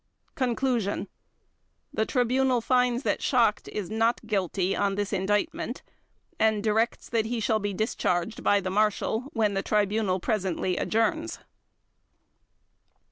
Conclusion. The Tribunal finds that Schacht is not guilty on this Indictment, and directs that he shall be discharged by the Marshal when the Tribunal presently adjourns.